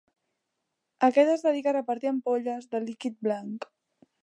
Aquest es dedica a repartir ampolles de líquid blanc.